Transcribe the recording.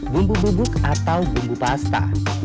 bumbu bubuk atau bumbu pasta